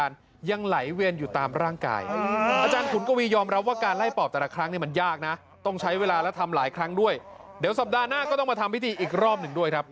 เดี๋ยวสัปดาห์หน้าก็ต้องมาทำพิธีอีกรอบหนึ่งด้วยครับ